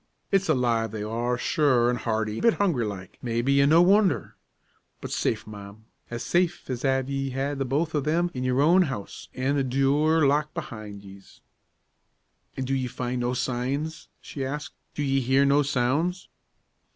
It's alive they are, sure; an' hearty; a bit hungry like, maybe, an' no wondher; but safe, ma'am, as safe as av ye had the both o' thim in your own house, an' the dure locked behind yez." "An' do ye find no signs?" she asked. "Do ye hear no sounds?"